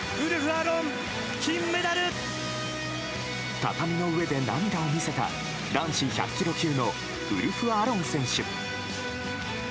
畳の上で涙を見せた男子１００ｋｇ級のウルフ・アロン選手。